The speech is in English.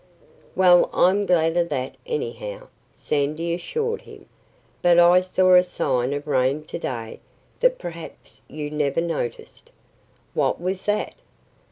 "Well, I'm glad of that, anyhow," Sandy assured him. "But I saw a sign of rain to day that perhaps you never noticed." "What was that?"